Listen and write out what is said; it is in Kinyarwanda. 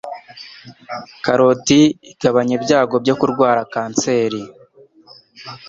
Karoti igabanya ibyago byo kurwara kanseri